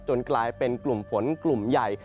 กลายเป็นกลุ่มฝนกลุ่มใหญ่